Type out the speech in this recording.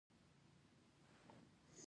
زما ماموریت د امریکا پر لور: